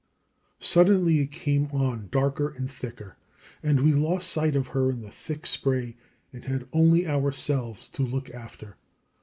Suddenly it came on darker and thicker, and we lost sight of her in the thick spray, and had only ourselves to look after.